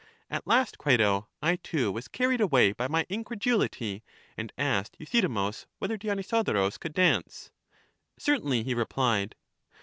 At last, Crito, I too was carried away by my incredulity, and asked Euthydemus whether Dionysodorus could dance. Certainly, he replied.